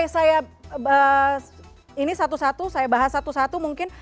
saya bahas satu satu mungkin